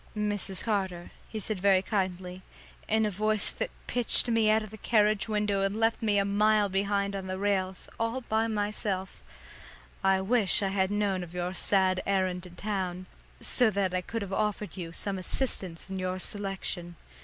"Mrs. Carter," he said very kindly, in a voice that pitched me out of the carriage window and left me a mile behind on the rails, all by myself, "I wish I had known of your sad errand to town, so that I could have offered you some assistance in your selection.